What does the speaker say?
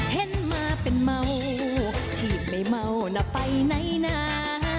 เห็นมาเป็นเมาที่ไม่เมานะไปไหนนะ